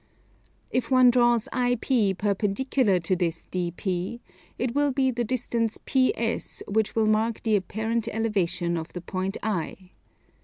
If one draws IP perpendicular to this DP, it will be the distance PS which will mark the apparent elevation of the point I.